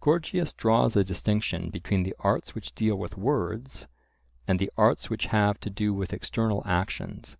Gorgias draws a distinction between the arts which deal with words, and the arts which have to do with external actions.